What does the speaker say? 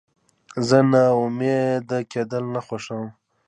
زه ناامیده کېدل نه خوښوم.